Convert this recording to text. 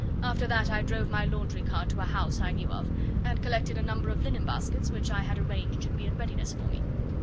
After that I drove my laundry cart to a house I knew of and collected a number of linen baskets, which I had arranged should be in readiness for me.